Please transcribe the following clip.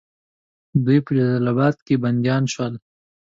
دوی په جلال آباد کې بندیان شول.